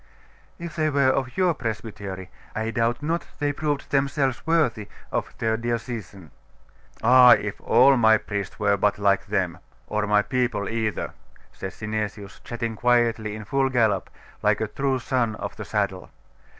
'If they were of your presbytery, I doubt not they proved themselves worthy of their diocesan.' 'Ah, if all my priests were but like them! or my people either!' said Synesius, chatting quietly in full gallop, like a true son of the saddle.